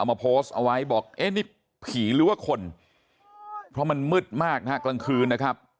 มาโพสต์เอาไว้บอกเอ๊ะนี่ผีหรือว่าคนเพราะมันมืดมากนะฮะกลางคืนนะครับ